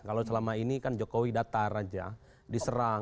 kalau selama ini kan jokowi datar aja diserang